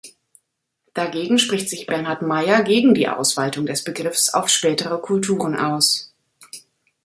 Dagegen spricht sich Bernhard Maier gegen die Ausweitung des Begriffs auf spätere Kulturen aus.